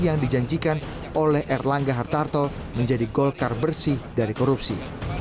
yang dijanjikan oleh erlangga hartarto menjadi golkar bersih dari korupsi